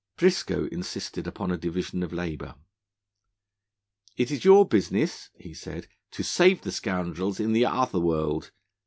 Briscoe insisted upon a division of labour. 'It is your business,' he said, 'to save the scoundrels in the other world.